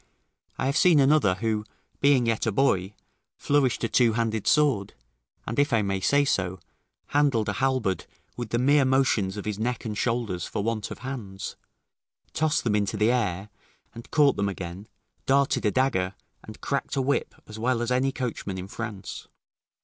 I have seen another who, being yet a boy, flourished a two handed sword, and, if I may so say, handled a halberd with the mere motions of his neck and shoulders for want of hands; tossed them into the air, and caught them again, darted a dagger, and cracked a whip as well as any coachman in France.